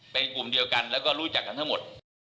เป็นกลุ่มเดียวกันแล้วก็รู้จักกันทั้งหมด